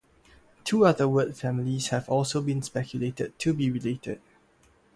Two other word families have also been speculated to be related.